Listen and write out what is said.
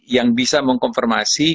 yang bisa mengkonfirmasi